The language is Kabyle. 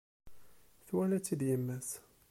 Twala-tt-id yemma-s.